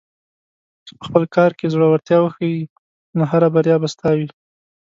که په خپل کار کې زړۀ ورتیا وښیې، نو هره بریا به ستا وي.